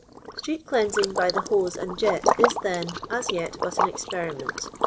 Street cleansing by the hose and jet is, then, aa yet but an experiment.